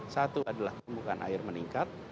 satu adalah pembukaan air meningkat